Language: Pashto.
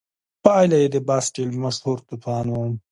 پایله یې د باسټیل مشهور توپان و.